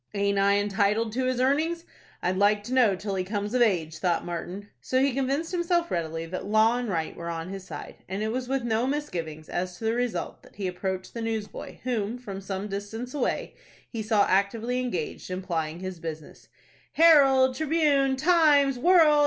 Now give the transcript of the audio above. "Aint I entitled to his earnings, I'd like to know till he comes of age?" thought Martin. So he convinced himself readily that law and right were on his side, and it was with no misgivings as to the result that he approached the newsboy whom, from some distance away, he saw actively engaged in plying his business. "'Herald,' 'Tribune,' 'Times,' 'World'!"